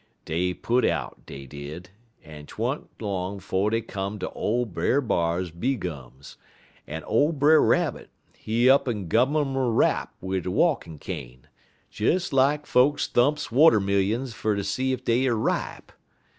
"Dey put out, dey did, en 't wa'n't long 'fo' dey come ter ole Brer B'ar bee gums, en ole Brer Rabbit, he up'n gun um a rap wid he walkin' cane, des lak folks thumps water millions fer ter see ef dey er ripe.